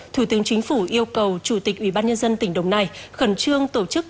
thủ tướng chính phủ yêu cầu chủ tịch ủy ban nhân dân tỉnh đồng nai khẩn trương tổ chức